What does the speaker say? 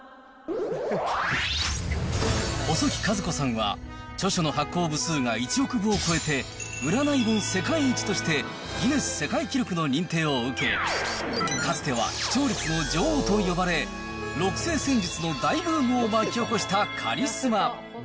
細木数子さんは著書の発行部数が１億部を超えて、占い本世界一としてギネス世界記録の認定を受け、かつては視聴率の女王と呼ばれ、六星占術の大ブームを巻き起こしたカリスマ。